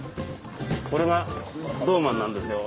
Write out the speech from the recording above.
これがドウマンなんですよ。